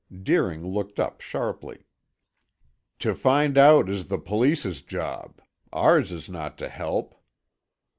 Deering looked up sharply. "To find out is the police's job. Ours is not to help."